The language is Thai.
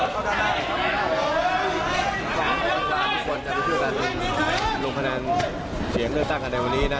ทุกคนจะไปช่วยกันลงคะแนนเสียงเลือกตั้งในวันนี้น่ะ